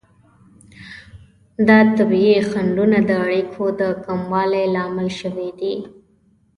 دا طبیعي خنډونه د اړیکو د کموالي لامل شوي دي.